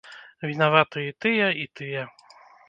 Вінаваты і тыя, і тыя.